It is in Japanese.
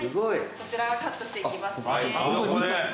こちらカットしていきますね。